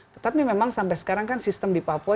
tetapi memang sampai sekarang kan sistem di papua